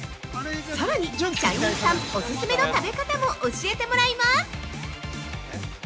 さらに、社員さんオススメの食べ方も教えてもらいます。